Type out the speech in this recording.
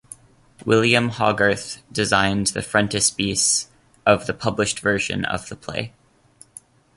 William Hogarth designed the frontispiece of the published version of the play.